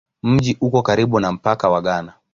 Mji uko karibu na mpaka wa Ghana.